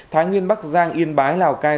thái nguyên bắc giang yên bái lào cai